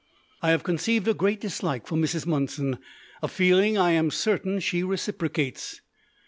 I have conceived a great dislike for Mrs. Monson, a feeling I am certain she reciprocates.